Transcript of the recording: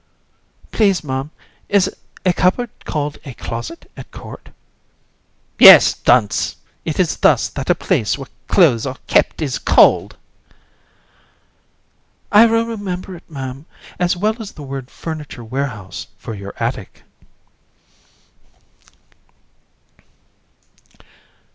AND. Please, Ma'am, is a cupboard called a closet at court? COUN. Yes, dunce; it is thus that a place where clothes are kept is called. AND. I will remember it, Ma'am, as well as the word furniture warehouse for your attic.